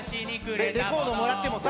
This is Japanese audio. レコードもらってもさ。